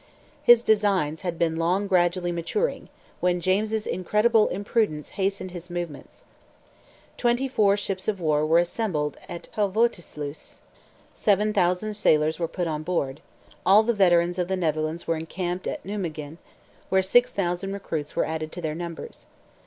His designs had been long gradually maturing, when James's incredible imprudence hastened his movements. Twenty four ships of war were assembled at Helvoetsluys; 7,000 sailors were put on board; all the veterans of the Netherlands were encamped at Nimeguen, where 6,000 recruits were added to their numbers.